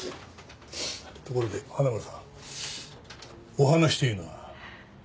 ところで花村さんお話というのは？